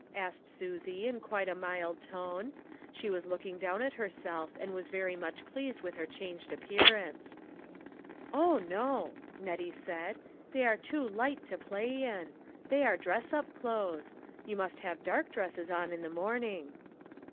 asked Susie, in quite a mild tone. She was looking down at herself and was very much pleased with her changed appearance. " Oh, no," Nettie said, " they are too light to play in. They are dress up clothes. You must have dark dresses on in the morning."